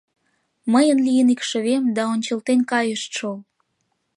— Мыйын лийын икшывем, да ончылтен кайышт шол...